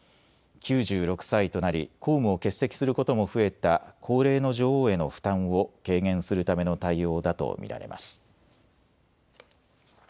９６歳となり公務を欠席することも増えた高齢の女王への負担を軽減するための対応だと見られます。